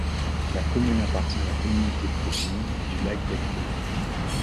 La commune appartient à la communauté de communes du lac d'Aiguebelette.